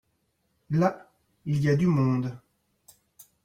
là, il y a du monde.